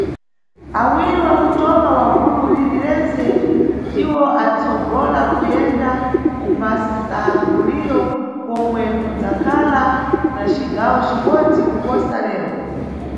Awiri wakutoma wa gulu liri rentse ndiwo anʼtsogola kuyenda kumasankhuliro, komwe kunʼdzakhala na cigawo cibodzi kuposa lero.